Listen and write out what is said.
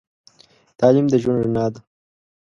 تعليم د ژوند رڼا ده.